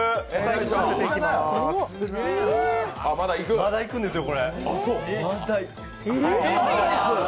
まだいくんですよ。